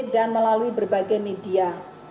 dan melalui berbagai media